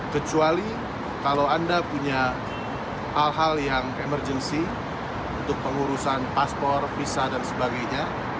kecuali kalau anda punya hal hal yang emergency untuk pengurusan paspor visa dan sebagainya